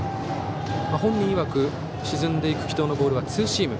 本人いわく沈んでいく軌道のボールはツーシーム。